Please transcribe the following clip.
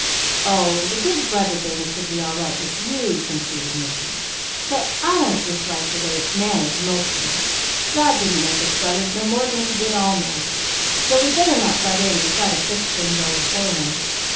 "Oh the Big Brother business would be all right with you," conceded Mickey, "but I don't just like the way it's managed, mostly. God didn't make us brothers no more than he did all men, so we better not butt in and try to fix things over for Him.